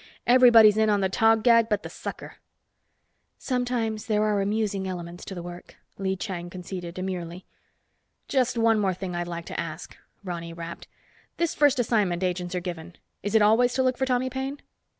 Everybody is in on the Tog gag but the sucker." "Sometimes there are amusing elements to the work," Lee Chang conceded, demurely. "Just one more thing I'd like to ask," Ronny rapped. "This first assignment, agents are given. Is it always to look for Tommy Paine?"